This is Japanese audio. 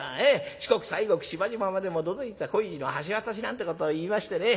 『四国西国島々までも都々逸恋路の橋渡し』なんてことをいいましてね。